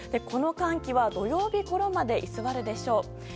この寒気は、土曜日ごろまで居座るでしょう。